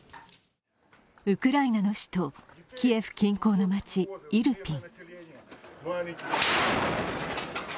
ウクライナの首都キエフ近郊の街イルピン。